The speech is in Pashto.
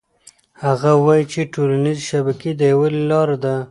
هغه وایي چې ټولنيزې شبکې د یووالي لاره ده.